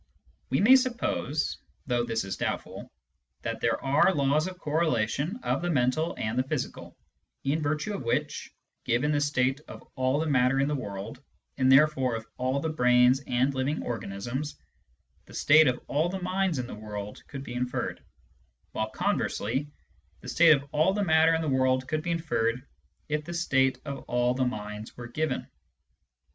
We may suppose — though this is doubtful — that there Digitized by Google ON THE NOTION OF CAUSE 233 are laws of correlation of the mental and the physical, in virtue of which, given the state of all the matter in the world, and therefore of all the brains and living organisms, the state of all the minds in the world could be inferred, while conversely the state of all the matter in the world could be inferred if the state of all the minds were given.